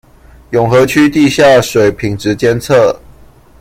永和區地下水品質監測